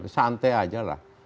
santai aja lah